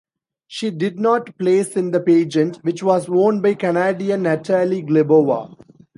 She did not place in the pageant, which was won by Canadian Natalie Glebova.